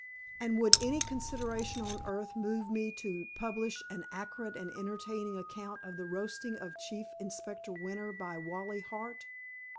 And would any consideration on earth move me to publish an accurate and entertaining account of the roasting of Chief Inspector Winter by Wally Hart?